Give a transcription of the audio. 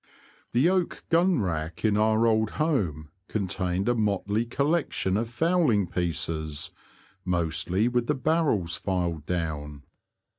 The oak gun rack in our old home con tained a motley collection of fowling pieces, mostly with the barrels filed down.